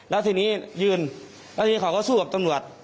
แล้วทีนี้ยืนแล้วทีนี้เขาก็สู้กับตำรวจ